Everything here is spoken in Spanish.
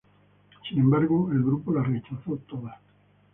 Sin embargo el grupo las rechazo todas.